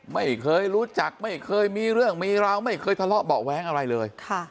ไม่เคยรู้จักไม่เคยมีเรื่องมีราวไม่เคยทะเลาะเบาะแว้งอะไรเลย